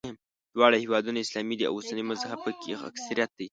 دواړه هېوادونه اسلامي دي او سني مذهب په کې اکثریت دی.